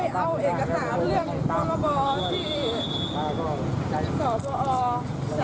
แล้วก็ไปเอาเอกสารเรื่องต้นระบอที่ส่อตัวอ๋อ